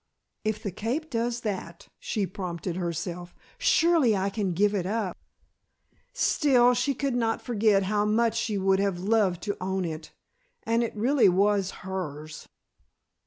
"If the cape does that," she prompted herself, "surely I can give it up." Still, she could not forget how much she would have loved to own it. And it really was hers.